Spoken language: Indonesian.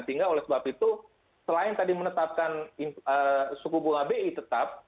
sehingga oleh sebab itu selain tadi menetapkan suku bunga bi tetap